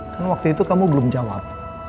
karena waktu itu kamu belum jawab